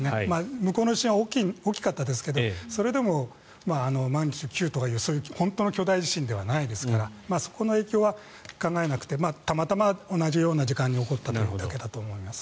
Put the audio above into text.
向こうの地震は大きかったですけどそれでもマグニチュード９とかそういう本当の巨大地震ではないですからそこの影響は考えなくてたまたま同じような時間に起こったというだけだと思います。